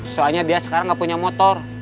soalnya dia sekarang nggak punya motor